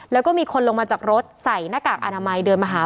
แล้วก็มีคนลงมาจากรถใส่หน้ากากอนามัยเดินมาหา